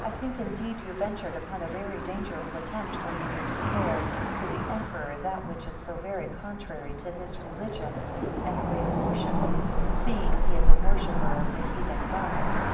2 I think indeed you ventured upon a very dangerous attempt, when you would declare (to the emperor) that which is so very contrary to his religion, and way of worship; seeing he is a worshipper of the heathen gods.